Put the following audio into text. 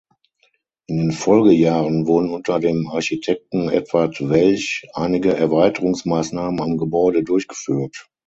In den Folgejahren wurden unter dem Architekten Edward Welch einige Erweiterungsmaßnahmen am Gebäude durchgeführt.